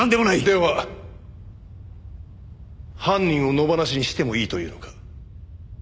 では犯人を野放しにしてもいいというのか？